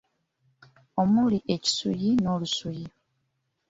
Omuli ekisuuyi n'olusuuyi.